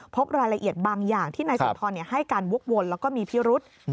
พบรายละเอียดบางอย่างที่นายสุนทรให้การวกวนแล้วก็มีพิรุษ